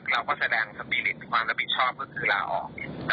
เราก็แสดงสปีริตความรับผิดชอบก็คือลาออก